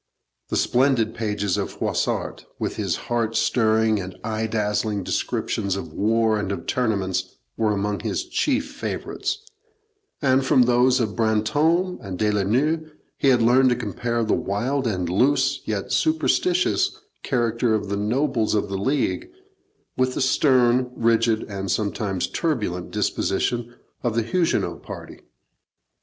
The splendid pages of Froissart, with his heart stirring and eye dazzling descriptions of war and of tournaments, were among his chief favourites; and from those of Brantome and De la Noue he learned to compare the wild and loose, yet superstitious, character of the nobles of the League with the stern, rigid, and sometimes turbulent disposition of the Huguenot party.